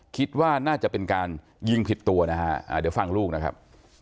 คิดว่าน่าจะเป็นการยิงผิดตัวนะฮะเดี๋ยวฟังลูกนะครับ